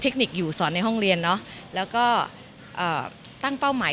คนิคอยู่สอนในห้องเรียนเนอะแล้วก็เอ่อตั้งเป้าหมาย